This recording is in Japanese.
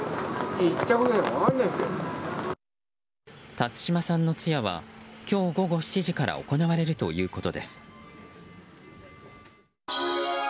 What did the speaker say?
辰島さんの通夜は今日午後７時から行われるということです。